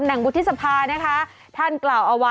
สวัสดีคุณชิสานะฮะสวัสดีคุณชิสานะฮะ